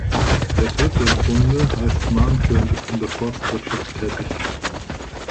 Der Dritte im Bunde heißt Mahnke und ist in der Forstwirtschaft tätig.